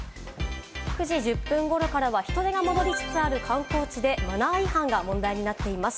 ９時１０分頃からは人出が戻りつつある観光地で、マナー違反が問題になっています。